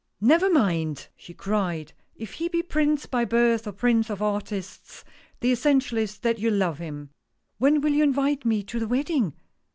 "Never mind!" she cried, "if he be Prince by birth, or Prince of artists. The essential is that you love him. When will you invite me to the wedding